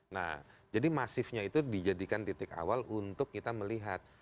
nah jadi masifnya itu dijadikan titik awal untuk kita melihat